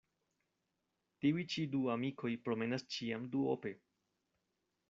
Tiuj ĉi du amikoj promenas ĉiam duope.